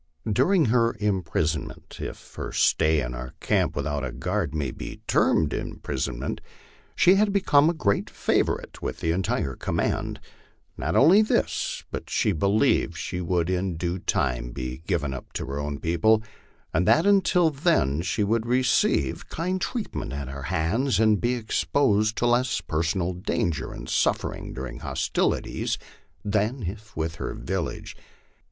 During her imprisonment, if her stay in our camp without a guard may be termed imprisonment, she had become a great favor ite .with the entire command; not only this, but she believed she would in due time be given up to her own people, and that until then she would receive kind treatment at our hands and be exposed to less personal danger and suffer ing during hostilities than if with her village.